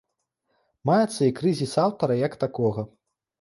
Маецца і крызіс аўтара як такога.